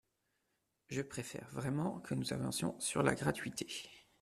Je préfère vraiment que nous avancions sur la gratuité.